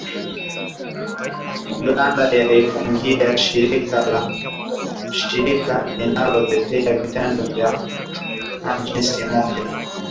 Uganda yaifungia shirika linalo tetea vitendo vya ufuska kwa kujihusishanna mapenzi ya jinsia moja